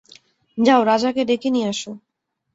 যাও রাজাকে ডেকে নিয়ে আসো।